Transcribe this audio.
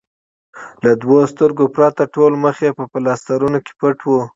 له دوو سترګو پرته ټول مخ یې په پلاسټرونو کې پټ و.